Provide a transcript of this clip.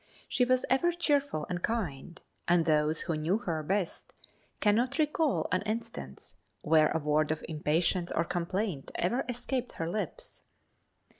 She was ever cheerful and kind, and those who knew her best cannot recall an instance where a word of impatience or complaint ever escaped her lips.